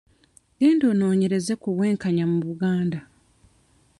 Genda onoonyereze ku bwenkanya mu Buganda.